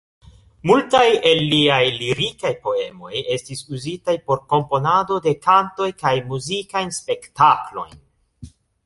Multaj el liaj lirikaj poemoj estis uzitaj por komponado de kantoj kaj muzikajn spektaklojn.